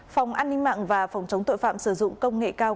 phòng an ninh mạng và phòng chống tội phạm sử dụng công nghệ cao